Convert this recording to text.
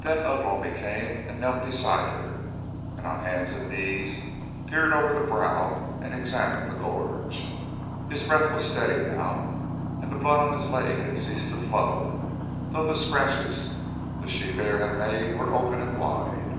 Then Ugh lomi came and knelt beside her, and on hands and knees peered over the brow and examined the gorge. His breath was steady now, and the blood on his leg had ceased to flow, though the scratches the she bear had made were open and wide.